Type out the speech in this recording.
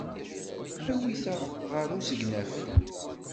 Awit-aɣ ɣer usegnaf.